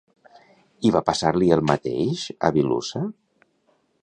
I va passar-li el mateix a Wilusa?